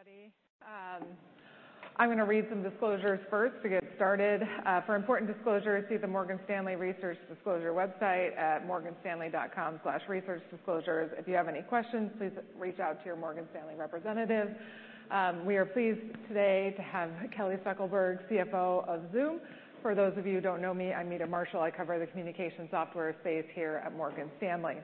Everybody. I'm gonna read some disclosures first to get started. For important disclosures, see the Morgan Stanley Research Disclosure website at morganstanley.com/researchdisclosures. If you have any questions, please reach out to your Morgan Stanley representative. We are pleased today to have Kelly Steckelberg, CFO of Zoom. For those of you who don't know me, I'm Meta Marshall. I cover the communication software space here at Morgan Stanley.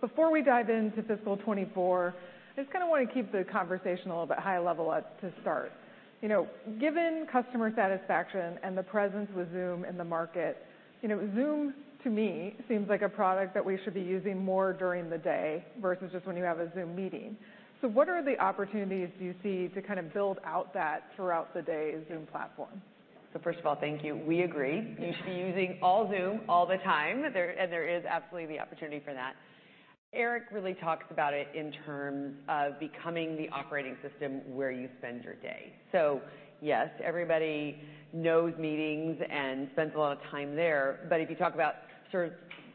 Before we dive into fiscal 2024, I just kinda wanna keep the conversation a little bit high level to start. You know, given customer satisfaction and the presence with Zoom in the market, you know, Zoom, to me, seems like a product that we should be using more during the day versus just when you have a Zoom Meeting. What are the opportunities do you see to kind of build out that throughout the day Zoom platform? First of all, thank you. We agree. You should be using all Zoom all the time. There is absolutely the opportunity for that. Eric really talks about it in terms of becoming the operating system where you spend your day. Yes, everybody knows Meetings and spends a lot of time there. If you talk about sort of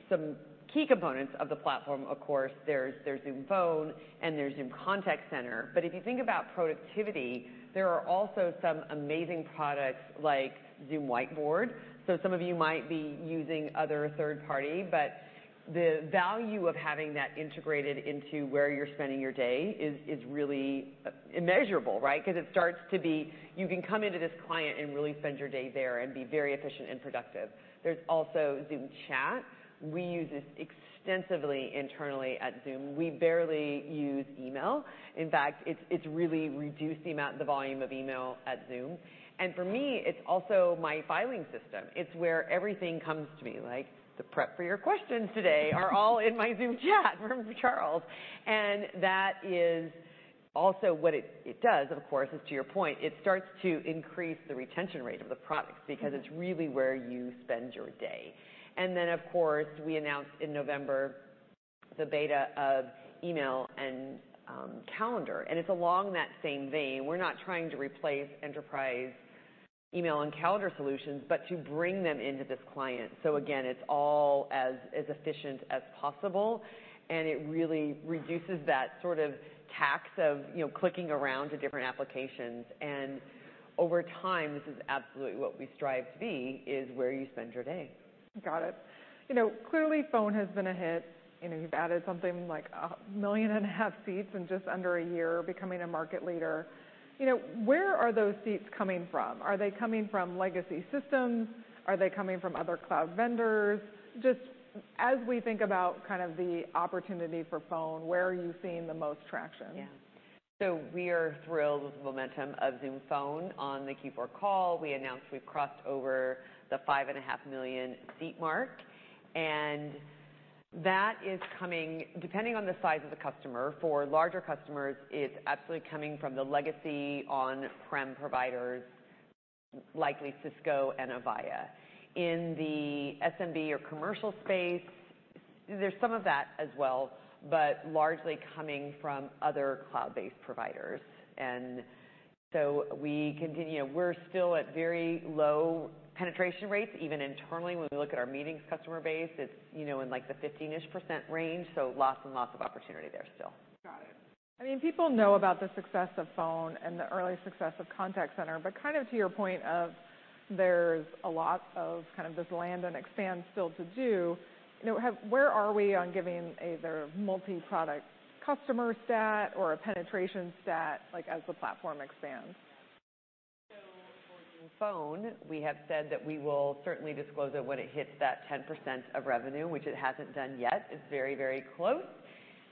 some key components of the platform, of course, there's Zoom Phone and there's Zoom Contact Center. If you think about productivity, there are also some amazing products like Zoom Whiteboard. Some of you might be using other third party, but the value of having that integrated into where you're spending your day is really immeasurable, right? Cause it starts to be, you can come into this client and really spend your day there and be very efficient and productive. There's also Zoom Chat. We use this extensively internally at Zoom. We barely use email. In fact, it's really reduced the amount, the volume of email at Zoom. For me, it's also my filing system. It's where everything comes to me, like the prep for your questions today are all in my Zoom chat from Charles. That is also what it does, of course, is to your point, it starts to increase the retention rate of the products because it's really where you spend your day. Of course, we announced in November the Beta of email and calendar, and it's along that same vein. We're not trying to replace enterprise email and calendar solutions, but to bring them into this client. Again, it's all as efficient as possible, and it really reduces that sort of tax of, you know, clicking around to different applications. Over time, this is absolutely what we strive to be, is where you spend your day. Got it. You know, clearly Phone has been a hit. You know, you've added something like 1.5 million seats in just under a year, becoming a market leader. You know, where are those seats coming from? Are they coming from legacy systems? Are they coming from other cloud vendors? Just as we think about kind of the opportunity for Phone, where are you seeing the most traction? Yeah. We are thrilled with the momentum of Zoom Phone. On the Q4 call, we announced we've crossed over the 5.5 million seat mark, and that is coming, depending on the size of the customer, for larger customers, it's absolutely coming from the legacy on-prem providers, likely Cisco and Avaya. In the SMB or commercial space, there's some of that as well, but largely coming from other cloud-based providers. We continue, we're still at very low penetration rates. Even internally, when we look at our meetings customer base, it's, you know, in like the 15%-ish range, so lots and lots of opportunity there still. Got it. I mean, people know about the success of Phone and the early success of Contact Center. Kind of to your point of there's a lot of kind of this land and expand still to do, you know, where are we on giving either multi-product customer stat or a penetration stat, like, as the platform expands? For Zoom Phone, we have said that we will certainly disclose it when it hits that 10% of revenue, which it hasn't done yet. It's very, very close.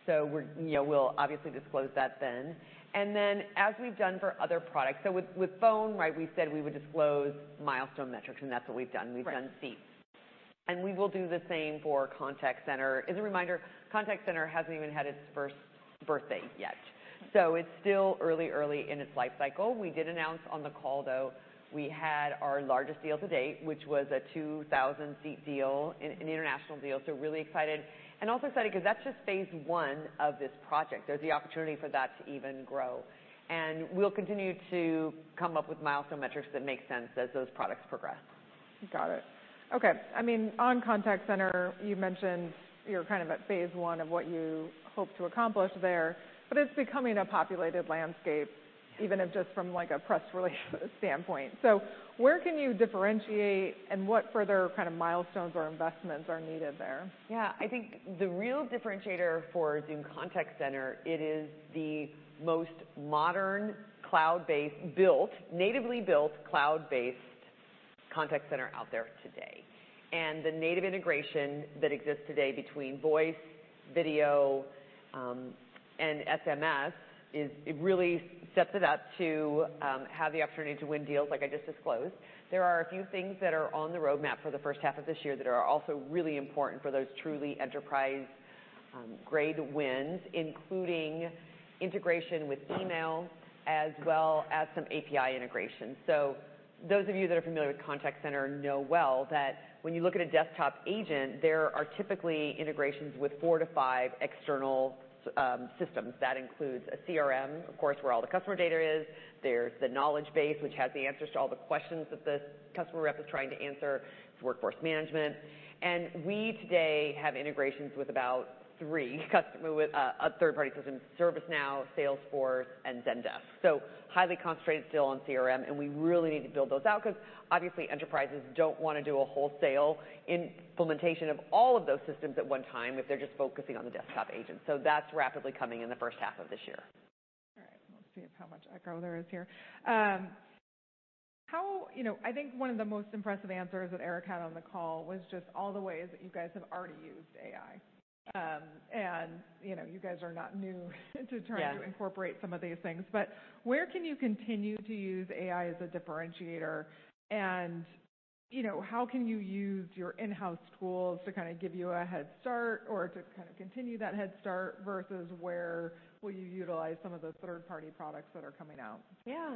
We're, you know, we'll obviously disclose that then. Then as we've done for other products, with Phone, right, we said we would disclose milestone metrics, and that's what we've done. Right. We've done seats. We will do the same for Contact Center. As a reminder, Contact Center hasn't even had its first birthday yet, so it's still early in its life cycle. We did announce on the call, though, we had our largest deal to date, which was a 2,000-seat deal in international deal, so really excited. Also excited cause that's just phase one of this project. There's the opportunity for that to even grow. We'll continue to come up with milestone metrics that make sense as those products progress. Got it. Okay. I mean, on Contact Center, you mentioned you're kind of at phase I of what you hope to accomplish there, but it's becoming a populated landscape, even if just from, like, a press relations standpoint. Where can you differentiate and what further kind of milestones or investments are needed there? Yeah. I think the real differentiator for Zoom Contact Center, it is the most modern cloud-based built, natively built cloud-based contact center out there today. The native integration that exists today between voice, video, and SMS, it really sets it up to have the opportunity to win deals like I just disclosed. There are a few things that are on the roadmap for the first half of this year that are also really important for those truly enterprise great wins, including integration with email as well as some API integration. Those of you that are familiar with Contact Center know well that when you look at a desktop agent, there are typically integrations with four to five external systems. That includes a CRM, of course, where all the customer data is. There's the knowledge base, which has the answers to all the questions that the customer rep is trying to answer. There's workforce management. We today have integrations with a three, third-party system, ServiceNow, Salesforce and Zendesk. Highly concentrated still on CRM, and we really need to build those out cause obviously Enterprises don't wanna do a wholesale implementation of all of those systems at one time if they're just focusing on the desktop agent. That's rapidly coming in the first half of this year. All right. Let's see how much echo there is here. You know, I think one of the most impressive answers that Eric had on the call was just all the ways that you guys have already used AI. You know, you guys are not new to incorporate some of these things. Where can you continue to use AI as a differentiator? You know, how can you use your in-house tools to kind of give you a head start or to kind of continue that head start versus where will you utilize some of those third-party products that are coming out? Yeah.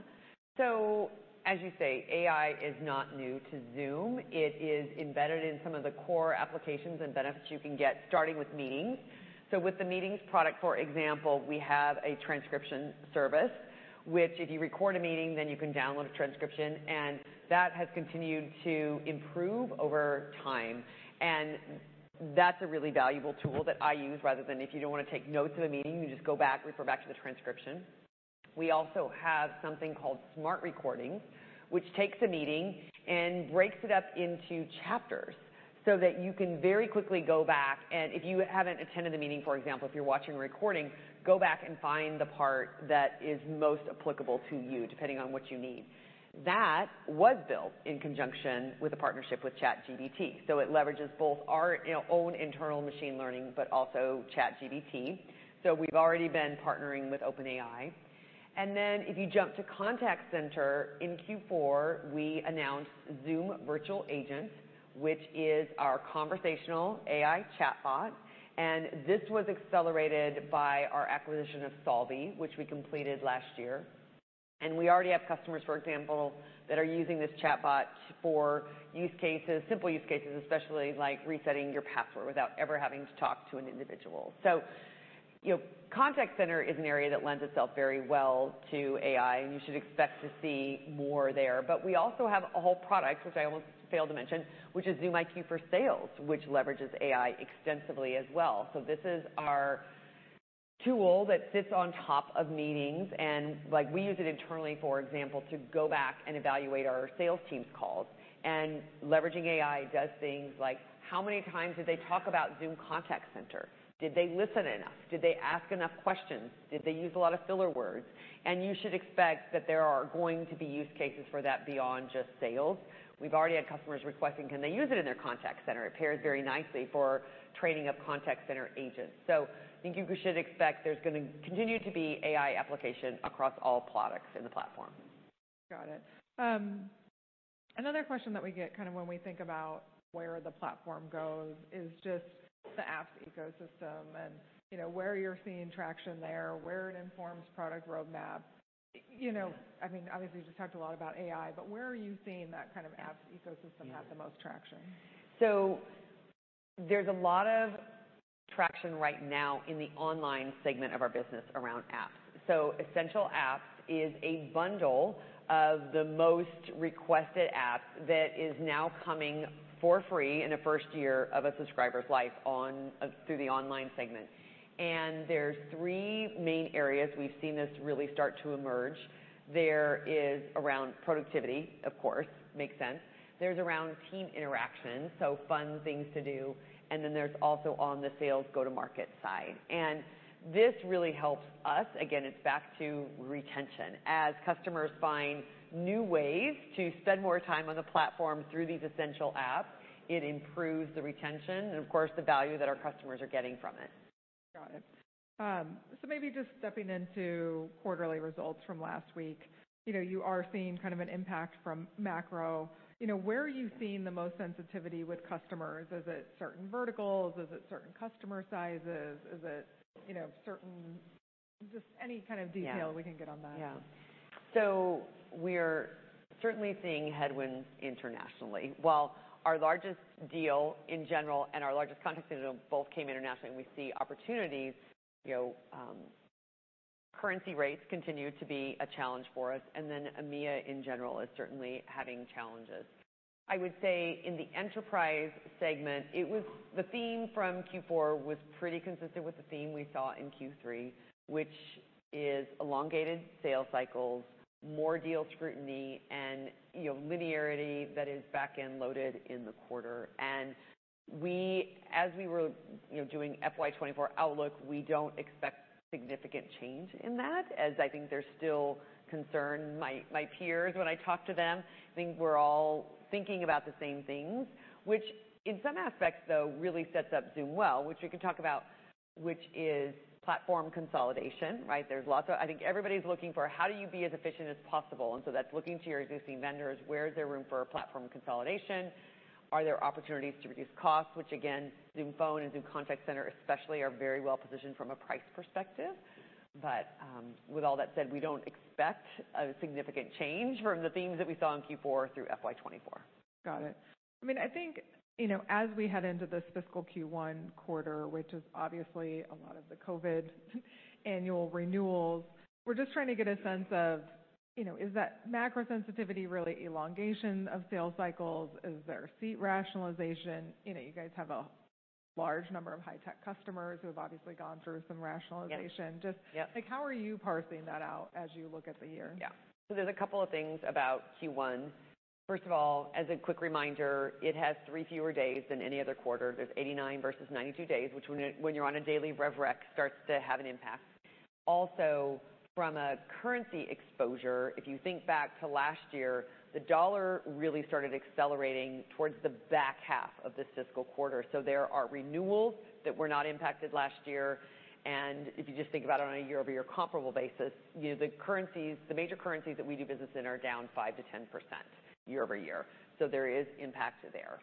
As you say, AI is not new to Zoom. It is embedded in some of the core applications and benefits you can get starting with Meetings. With the Meetings product, for example, we have a transcription service, which if you record a meeting, then you can download a transcription, and that has continued to improve over time. That's a really valuable tool that I use rather than if you don't wanna take notes of a meeting, you just go back, refer back to the transcription. We also have something called Smart Recording, which takes a meeting and breaks it up into chapters so that you can very quickly go back, and if you haven't attended the meeting, for example, if you're watching a recording, go back and find the part that is most applicable to you, depending on what you need. That was built in conjunction with a partnership with ChatGPT. It leverages both our, you know, own internal machine learning, but also ChatGPT. We've already been partnering with OpenAI. If you jump to Contact Center, in Q4 we announced Zoom Virtual Agent, which is our conversational AI chatbot, and this was accelerated by our acquisition of Solvvy, which we completed last year. We already have customers, for example, that are using this chatbot for use cases, simple use cases especially, like resetting your password without ever having to talk to an individual. You know, Contact Center is an area that lends itself very well to AI, and you should expect to see more there. We also have a whole product which I almost failed to mention, which is Zoom IQ for Sales, which leverages AI extensively as well. This is our tool that sits on top of Zoom Meetings and, like, we use it internally, for example, to go back and evaluate our sales team's calls. Leveraging AI does things like how many times did they talk about Zoom Contact Center? Did they listen enough? Did they ask enough questions? Did they use a lot of filler words? You should expect that there are going to be use cases for that beyond just sales. We've already had customers requesting, can they use it in their contact center? It pairs very nicely for training up contact center agents. I think you should expect there's gonna continue to be AI application across all products in the platform. Got it. Another question that we get kind of when we think about where the platform goes is just the apps ecosystem and, you know, where you're seeing traction there, where it informs product roadmap. You know, I mean, obviously you just talked a lot about AI, where are you seeing that kind of apps ecosystem have the most traction? There's a lot of traction right now in the online segment of our business around apps. Essential Apps is a bundle of the most requested apps that is now coming for free in a first year of a subscriber's life on, through the online segment. There's three main areas we've seen this really start to emerge. There is around productivity, of course. Makes sense. There's around team interaction, so fun things to do. Then there's also on the sales go-to-market side, and this really helps us. Again, it's back to retention. As customers find new ways to spend more time on the platform through these Essential Apps, it improves the retention and, of course, the value that our customers are getting from it. Got it. Maybe just stepping into quarterly results from last week, you know, you are seeing kind of an impact from macro. You know, where are you seeing the most sensitivity with customers? Is it certain verticals? Is it certain customer sizes? Just any kind of detail? Yeah. We can get on that. Yeah. We're certainly seeing headwinds internationally. While our largest deal in general and our largest contact center deal both came internationally and we see opportunities, you know, currency rates continue to be a challenge for us, EMEA in general is certainly having challenges. I would say in the enterprise segment, the theme from Q4 was pretty consistent with the theme we saw in Q3, which is elongated sales cycles, more deal scrutiny and, you know, linearity that is back-end loaded in the quarter. We, as we were, you know, doing FY 2024 outlook, we don't expect significant change in that, as I think there's still concern. My peers, when I talk to them, think we're all thinking about the same things, which in some aspects though really sets up Zoom well, which we can talk about, which is platform consolidation, right? There's lots of I think everybody's looking for how do you be as efficient as possible. That's looking to your existing vendors. Where is there room for platform consolidation? Are there opportunities to reduce costs, which again, Zoom Phone and Zoom Contact Center especially are very well positioned from a price perspective. With all that said, we don't expect a significant change from the themes that we saw in Q4 through FY 2024. Got it. I mean, I think, you know, as we head into this fiscal Q1 quarter, which is obviously a lot of the COVID annual renewals, we're just trying to get a sense of, you know, is that macro sensitivity really elongation of sales cycles? Is there seat rationalization? You know, you guys have a large number of high-tech customers who have obviously gone through some rationalization. Yep. Just- Yep. Like, how are you parsing that out as you look at the year? Yeah. There's a couple of things about Q1. First of all, as a quick reminder, it has three fewer days than any other quarter. There's 89 versus 92 days, which when you're on a daily rev rec starts to have an impact. From a currency exposure, if you think back to last year, the dollar really started accelerating towards the back half of this fiscal quarter. There are renewals that were not impacted last year, and if you just think about it on a year-over-year comparable basis, you know, the currencies, the major currencies that we do business in are down 5%-10% year-over-year. There is impact there.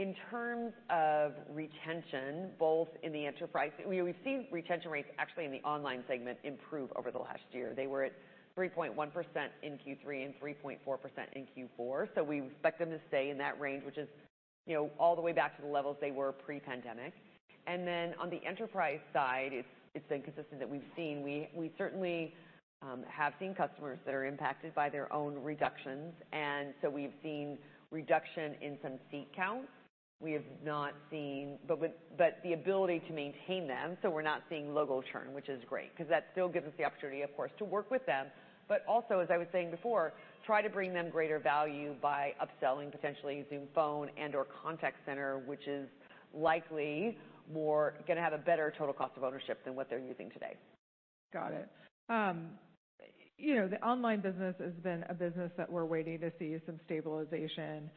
In terms of retention, both in the enterprise, we've seen retention rates actually in the online segment improve over the last year. They were at 3.1% in Q3 and 3.4% in Q4. We expect them to stay in that range, which is, you know, all the way back to the levels they were pre-pandemic. On the Enterprise side, it's been consistent that we've seen. We certainly have seen customers that are impacted by their own reductions, we've seen reduction in some seat counts. We have not seen, the ability to maintain them, so we're not seeing logo churn, which is great, cause that still gives us the opportunity, of course, to work with them, as I was saying before, try to bring them greater value by upselling, potentially using Zoom Phone and/or Zoom Contact Center, which is likely more gonna have a better total cost of ownership than what they're using today. Got it. You know, the online business has been a business that we're waiting to see some stabilization.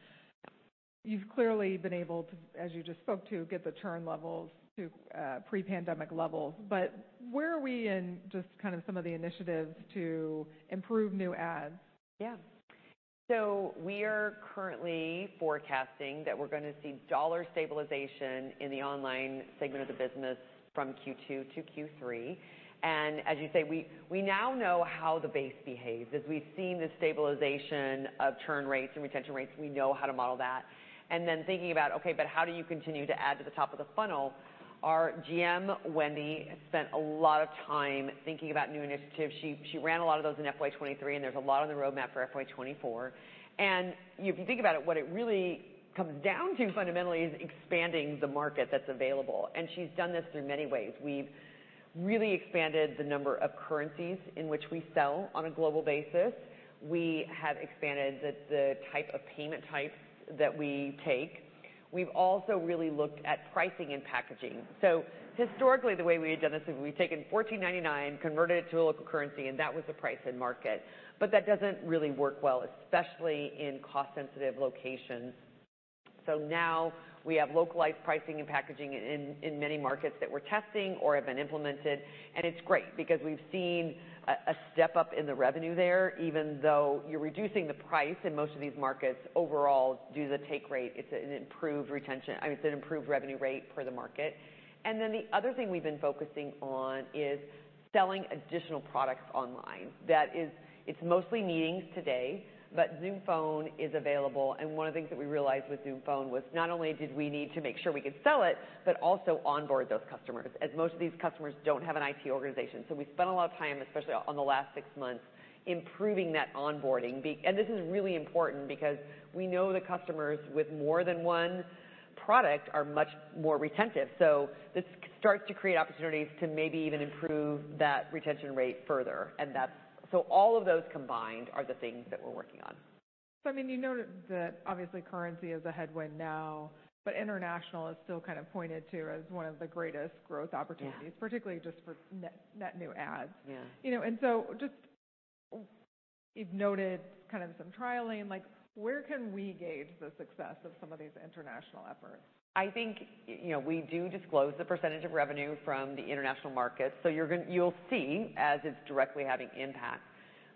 You've clearly been able to, as you just spoke to, get the churn levels to pre-pandemic levels. Where are we in just kind of some of the initiatives to improve new ads? Yeah. We are currently forecasting that we're gonna see dollar stabilization in the online segment of the business from Q2 to Q3. As you say, we now know how the base behaves. As we've seen the stabilization of churn rates and retention rates, we know how to model that. Thinking about, okay, how do you continue to add to the top of the funnel? Our GM, Wendy, has spent a lot of time thinking about new initiatives. She ran a lot of those in FY 2023, there's a lot on the roadmap for FY 2024. If you think about it, what it really comes down to fundamentally is expanding the market that's available, she's done this through many ways. We've really expanded the number of currencies in which we sell on a global basis. We have expanded the type of payment types that we take. We've also really looked at pricing and packaging. Historically, the way we had done this is we've taken $14.99, converted it to a local currency, and that was the price in market. That doesn't really work well, especially in cost-sensitive locations. Now we have localized pricing and packaging in many markets that we're testing or have been implemented. It's great because we've seen a step-up in the revenue there, even though you're reducing the price in most of these markets overall due to the take rate, it's an improved retention. I mean, it's an improved revenue rate for the market. The other thing we've been focusing on is selling additional products online. That is, it's mostly Meetings today, but Zoom Phone is available. One of the things that we realized with Zoom Phone was not only did we need to make sure we could sell it, but also onboard those customers, as most of these customers don't have an IT organization. We spent a lot of time, especially on the last six months, improving that onboarding. This is really important because we know that customers with more than one product are much more retentive. This starts to create opportunities to maybe even improve that retention rate further. All of those combined are the things that we're working on. I mean, you noted that obviously currency is a headwind now, but international is still kind of pointed to as one of the greatest growth opportunities. Yeah. Particularly just for net new ads. Yeah. You know, just, you've noted kind of some trialing, like where can we gauge the success of some of these international efforts? I think, you know, we do disclose the percentage of revenue from the international market, you'll see as it's directly having impact.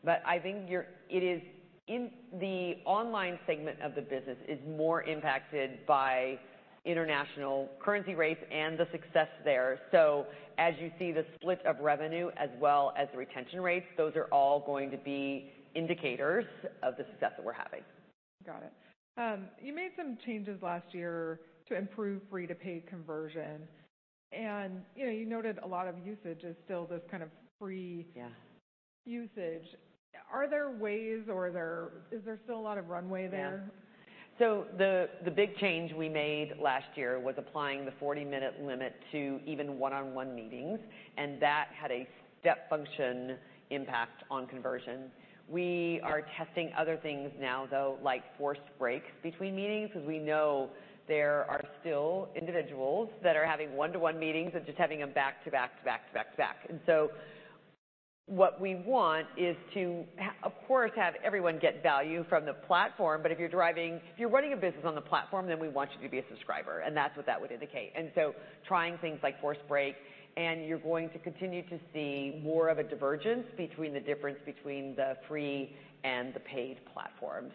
I think it is in the online segment of the business is more impacted by international currency rates and the success there. As you see the split of revenue as well as the retention rates, those are all going to be indicators of the success that we're having. Got it. You made some changes last year to improve free-to-paid conversion, and, you know, you noted a lot of usage is still this kind of free-usage. Is there still a lot of runway there? Yeah. The, the big change we made last year was applying the 40-minute limit to even one-on-one meetings, and that had a step function impact on conversion. We are testing other things now, though, like forced breaks between meetings, because we know there are still individuals that are having one-to-one meetings and just having them back to back to back to back to back. What we want is to of course, have everyone get value from the platform. If you're driving, if you're running a business on the platform, then we want you to be a subscriber, and that's what that would indicate. Trying things like force break, and you're going to continue to see more of a divergence between the difference between the free and the paid platform.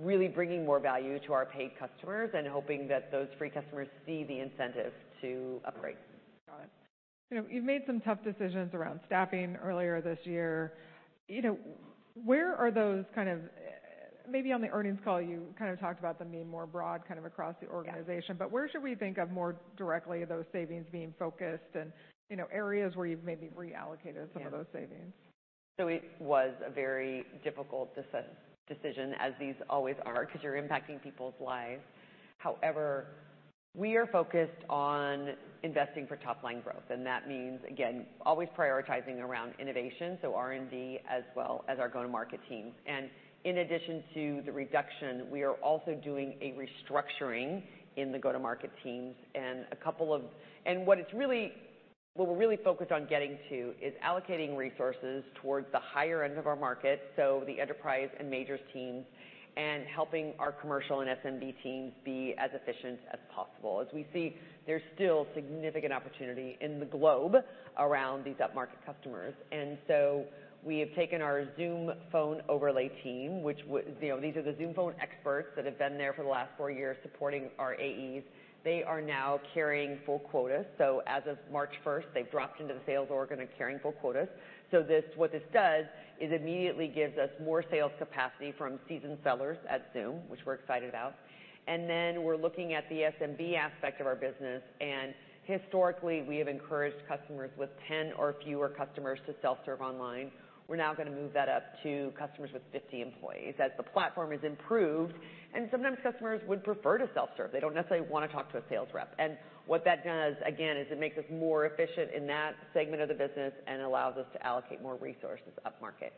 Really bringing more value to our paid customers and hoping that those free customers see the incentive to upgrade. Got it. You know, you've made some tough decisions around staffing earlier this year. You know, where are those kind of, maybe on the earnings call, you kind of talked about them being more broad kind of across the organization? Yeah. Where should we think of more directly those savings being focused and, you know, areas where you've maybe reallocated some of those savings? It was a very difficult decision, as these always are, cause you're impacting people's lives. However, we are focused on investing for top-line growth, and that means, again, always prioritizing around innovation, so R&D, as well as our go-to-market teams. In addition to the reduction, we are also doing a restructuring in the go-to-market teams. What it's really, what we're really focused on getting to is allocating resources towards the higher end of our market, so the enterprise and majors teams, and helping our commercial and SMB teams be as efficient as possible. As we see, there's still significant opportunity in the globe around these up-market customers. We have taken our Zoom Phone overlay team, which you know, these are the Zoom Phone experts that have been there for the last four years supporting our AEs. They are now carrying full quotas. As of March first, they've dropped into the sales org and are carrying full quotas. What this does is immediately gives us more sales capacity from seasoned sellers at Zoom, which we're excited about. We're looking at the SMB aspect of our business, and historically, we have encouraged customers with 10 or fewer customers to self-serve online. We're now gonna move that up to customers with 50 employees. As the platform has improved, and sometimes customers would prefer to self-serve, they don't necessarily wanna talk to a sales rep. What that does, again, is it makes us more efficient in that segment of the business and allows us to allocate more resources upmarket.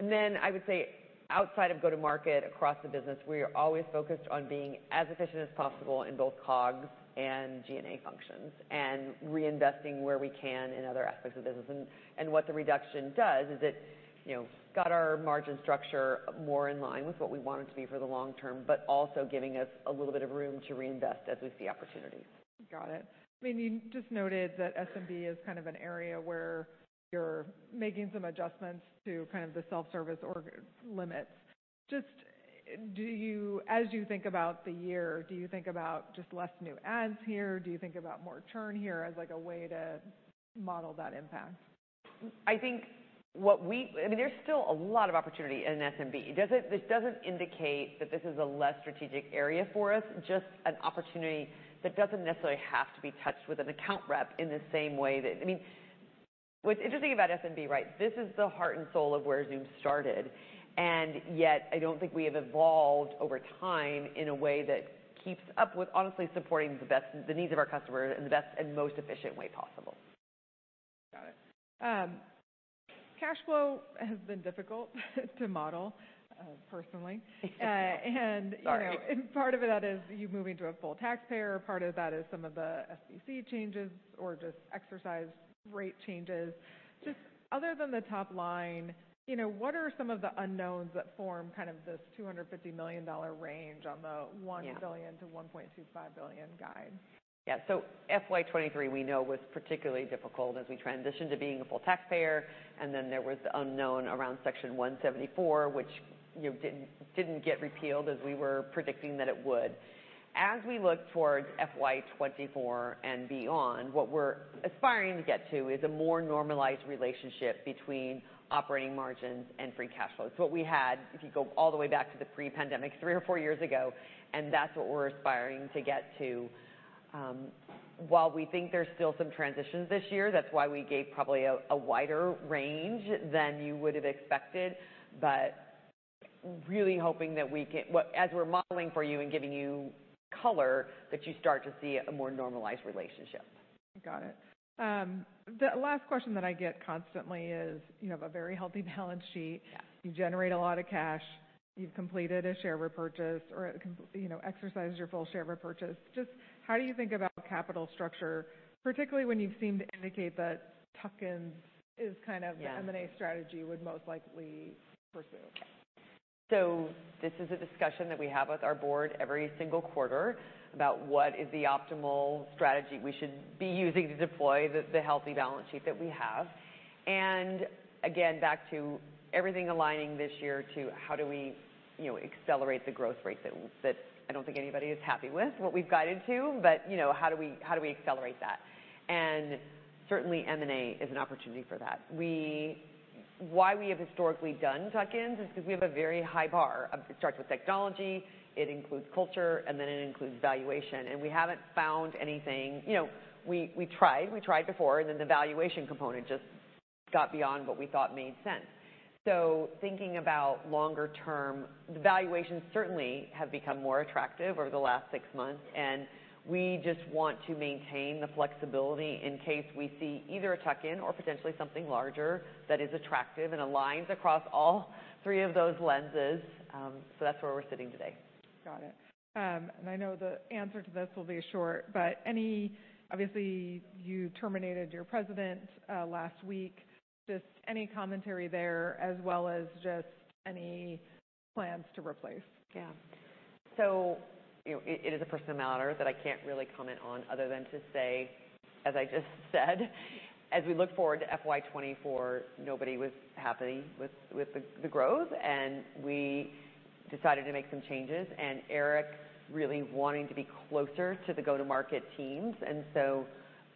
I would say, outside of go-to-market across the business, we are always focused on being as efficient as possible in both COGS and G&A functions, and reinvesting where we can in other aspects of the business. What the reduction does is it, you know, got our margin structure more in line with what we want it to be for the long term, but also giving us a little bit of room to reinvest as we see opportunities. Got it. I mean, you just noted that SMB is kind of an area where you're making some adjustments to kind of the self-service org limits. Just do you, as you think about the year, do you think about just less new ads here? Do you think about more churn here as, like, a way to model that impact? I think, I mean, there's still a lot of opportunity in SMB. This doesn't indicate that this is a less strategic area for us, just an opportunity that doesn't necessarily have to be touched with an account rep in the same way that, I mean, what's interesting about SMB, right? This is the heart and soul of where Zoom started, yet I don't think we have evolved over time in a way that keeps up with honestly supporting the needs of our customer in the best and most efficient way possible. Got it. Cash flow has been difficult to model, personally. Sorry. You know, part of that is you moving to a full taxpayer, part of that is some of the SBC changes or just exercise rate changes. Just other than the top line, you know, what are some of the unknowns that form kind of this $250 million range on the $1 billion-$1.25 billion guide? FY 2023, we know, was particularly difficult as we transitioned to being a full taxpayer. There was the unknown around Section 174, which, you know, didn't get repealed as we were predicting that it would. We look towards FY 2024 and beyond, what we're aspiring to get to is a more normalized relationship between operating margins and free cash flows. What we had, if you go all the way back to the pre-pandemic, three or four years ago, and that's what we're aspiring to get to. While we think there's still some transitions this year, that's why we gave probably a wider range than you would have expected, but really hoping that, as we're modeling for you and giving you color, that you start to see a more normalized relationship. Got it. The last question that I get constantly is, you have a very healthy balance sheet. Yeah. You generate a lot of cash. You've completed a share repurchase or you know, exercised your full share repurchase. Just how do you think about capital structure, particularly when you seem to indicate that tuck-ins is kind of? Yeah. The M&A strategy would most likely pursue? This is a discussion that we have with our board every single quarter about what is the optimal strategy we should be using to deploy the healthy balance sheet that we have. Again, back to everything aligning this year to how do we, you know, accelerate the growth rate that I don't think anybody is happy with what we've guided to, but, you know, how do we accelerate that? Certainly M&A is an opportunity for that. Why we have historically done tuck-ins is cause we have a very high bar. It starts with technology, it includes culture, and then it includes valuation. We haven't found anything. You know, we tried before, and then the valuation component just got beyond what we thought made sense. Thinking about longer term, the valuations certainly have become more attractive over the last six months, and we just want to maintain the flexibility in case we see either a tuck-in or potentially something larger that is attractive and aligns across all three of those lenses. That's where we're sitting today. Got it. I know the answer to this will be short, but Obviously, you terminated your president last week. Just any commentary there as well as just any plans to replace? You know, it is a personal matter that I can't really comment on other than to say, as I just said, as we look forward to FY 2024, nobody was happy with the growth, and we decided to make some changes. Eric really wanting to be closer to the go-to-market teams, and so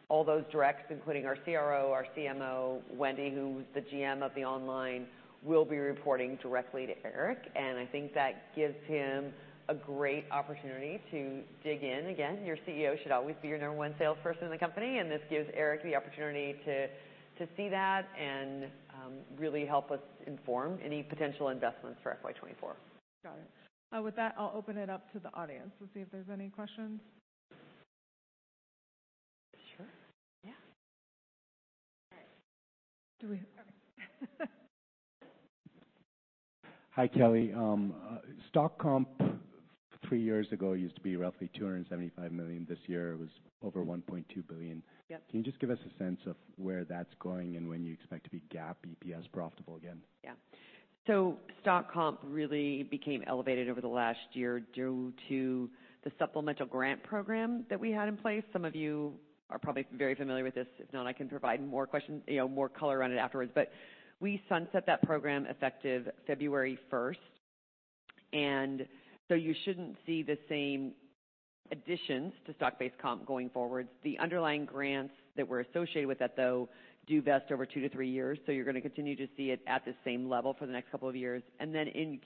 all those directs, including our CRO, our CMO, Wendy, who's the GM of the online, will be reporting directly to Eric. I think that gives him a great opportunity to dig in. Again, your CEO should always be your number one salesperson in the company, and this gives Eric the opportunity to see that and really help us inform any potential investments for FY 2024. Got it. With that, I'll open it up to the audience and see if there's any questions. Sure, yeah. Do we? Hi, Kelly. Stock Comp three years ago used to be roughly $275 million. This year it was over $1.2 billion. Yep. Can you just give us a sense of where that's going and when you expect to be GAAP EPS profitable again? Yeah. Stock Comp really became elevated over the last year due to the supplemental grant program that we had in place. Some of you are probably very familiar with this. If not, I can provide more questions, you know, more color on it afterwards. We sunset that program effective February first, you shouldn't see the same additions to stock-based comp going forward. The underlying grants that were associated with that, though, do vest over two to three years, you're gonna continue to see it at the same level for the next couple of years. In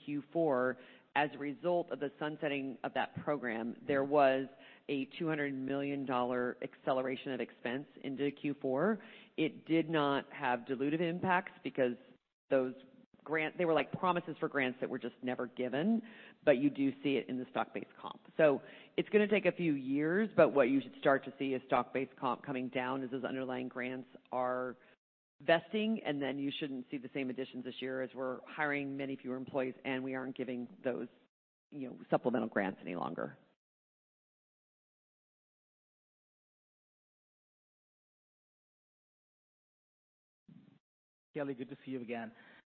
Q4, as a result of the sunsetting of that program, there was a $200 million acceleration of expense into Q4. It did not have dilutive impacts because those grant, they were like promises for grants that were just never given. You do see it in the Stock-based Comp. It's gonna take a few years. What you should start to see is Stock-based Comp coming down as those underlying grants are vesting. You shouldn't see the same additions this year as we're hiring many fewer employees, and we aren't giving those, you know, supplemental grants any longer. Kelly, good to see you again.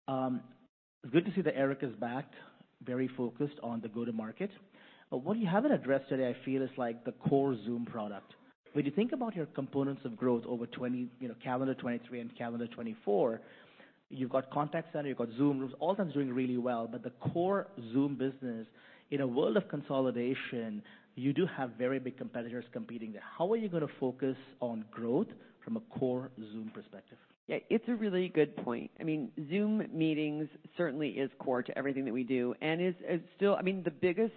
Good to see that Eric is back, very focused on the go-to-market. What you haven't addressed today, I feel, is like the core Zoom product. When you think about your components of growth over 20, you know, calendar 2023 and calendar 2024, you've got Zoom Contact Center, you've got Zoom Rooms, all that's doing really well. The core Zoom business in a world of consolidation, you do have very big competitors competing there. How are you gonna focus on growth from a core Zoom perspective? Yeah, it's a really good point. I mean, Zoom Meetings certainly is core to everything that we do and is still, I mean, the biggest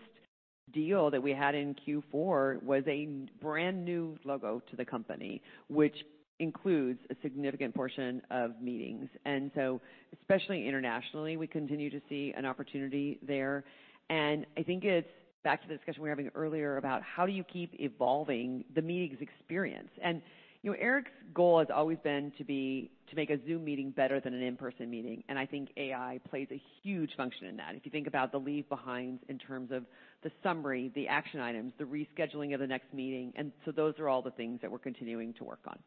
deal that we had in Q4 was a brand-new logo to the company, which includes a significant portion of meetings. Especially internationally, we continue to see an opportunity there. I think it's back to the discussion we were having earlier about how do you keep evolving the meetings experience. You know, Eric's goal has always been to make a Zoom Meeting better than an in-person meeting, and I think AI plays a huge function in that. If you think about the leave behinds in terms of the summary, the action items, the rescheduling of the next meeting, those are all the things that we're continuing to work on.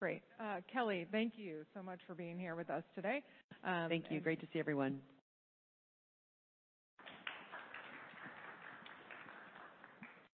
Great. Kelly, thank you so much for being here with us today. Thank you. Great to see everyone.